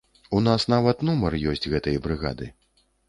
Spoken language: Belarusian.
У нас нават нумар ёсць гэтай брыгады.